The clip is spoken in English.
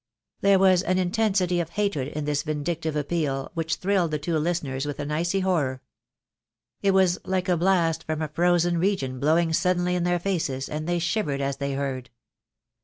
There was an intensity of hatred in this vindictive appeal, which thrilled the two listeners with an icy horror. It was like a blast from a frozen region blowing suddenly in their faces, and they shivered as they heard.